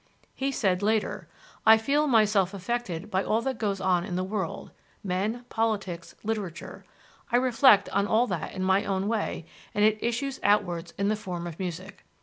He said later: "I feel myself affected by all that goes on in the world men, politics, literature; I reflect on all that in my own way and it issues outwards in the form of music.